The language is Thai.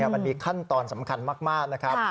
มันมีขั้นตอนสำคัญมากนะครับ